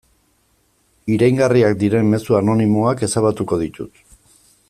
Iraingarriak diren mezu anonimoak ezabatuko ditut.